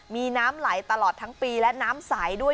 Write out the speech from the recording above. มีน้ำไหลตลอดทั้งปีและน้ำใสด้วย